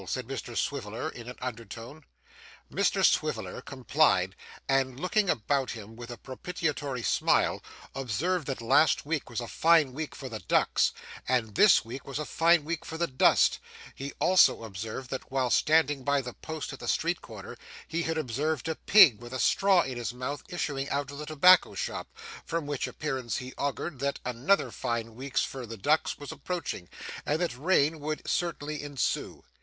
said Mr Swiveller in an undertone. Mr Swiveller complied, and looking about him with a propitiatory smile, observed that last week was a fine week for the ducks, and this week was a fine week for the dust; he also observed that whilst standing by the post at the street corner, he had observed a pig with a straw in his mouth issuing out of the tobacco shop, from which appearance he augured that another fine week for the ducks was approaching, and that rain would certainly ensue.